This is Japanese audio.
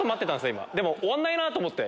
今でも終わんないなと思って。